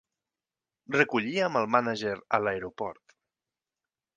Recollíem el mànager a l'aeroport.